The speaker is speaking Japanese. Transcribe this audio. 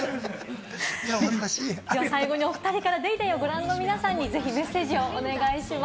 最後にお２人から『ＤａｙＤａｙ．』をご覧の皆さんにぜひメッセージをお願いします。